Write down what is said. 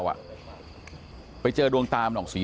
ฐานพระพุทธรูปทองคำ